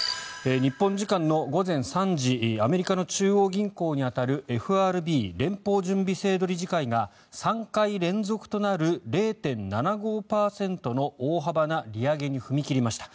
日本時間の午前３時アメリカの中央銀行に当たるＦＲＢ・連邦準備制度理事会が３回連続となる０．７５％の大幅な利上げに踏み切りました。